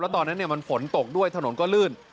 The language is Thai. ตอนนั้นมันฝนตกด้วยถนนก็ลื่น